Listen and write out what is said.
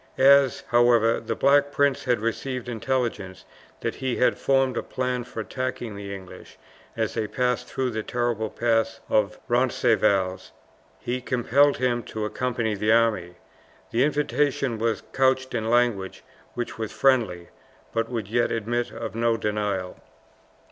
As, however, the Black Prince had received intelligence that he had formed a plan for attacking the English as they passed through the terrible pass of Roncesvalles, he compelled him to accompany the army. The invitation was couched in language which was friendly, but would yet admit of no denial.